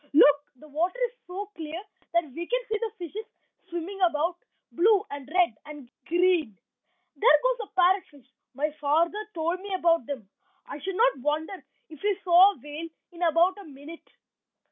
Look! the water is so clear that we can see the fishes swimming about, blue and red and green. There goes a parrot fish; my father told me about them. I should not wonder if we saw a whale in about a minute."